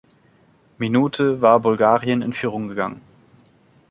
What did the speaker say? Minute war Bulgarien in Führung gegangen.